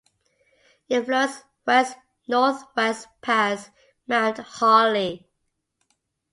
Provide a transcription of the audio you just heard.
It flows west-northwest past Mount Holly.